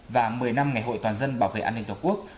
và một mươi năm ngày hội toàn dân bảo vệ an ninh tổ quốc